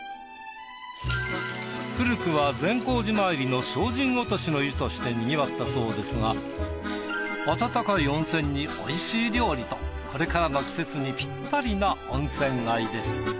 古くは善光寺参りの精進落としの湯としてにぎわったそうですが温かい温泉においしい料理とこれからの季節にぴったりな温泉街です。